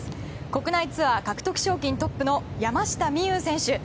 国内ツアー獲得賞金トップの山下美夢有選手。